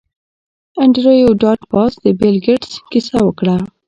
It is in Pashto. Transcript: انډریو ډاټ باس د بیل ګیټس کیسه وکړه